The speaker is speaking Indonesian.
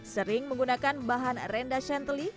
sering menggunakan bahan renda shantly